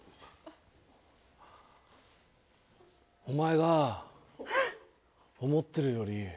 お前が思ってるより。